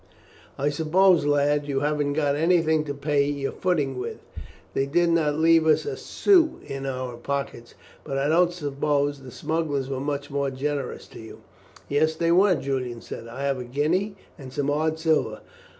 "I suppose, lad, you haven't got anything to pay your footing with? They did not leave us a sou in our pockets, and I don't suppose the smugglers were much more generous to you." "Yes, they were," Julian said. "I have a guinea and some odd silver.